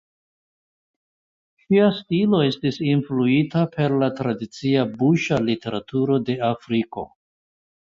Ŝia stilo estas influita per la tradicia buŝa literaturo de Afriko.